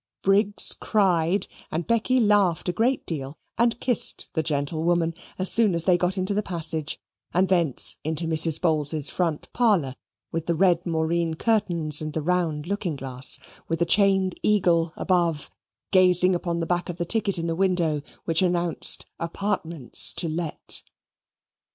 Briggs cried, and Becky laughed a great deal and kissed the gentlewoman as soon as they got into the passage; and thence into Mrs. Bowls's front parlour, with the red moreen curtains, and the round looking glass, with the chained eagle above, gazing upon the back of the ticket in the window which announced "Apartments to Let."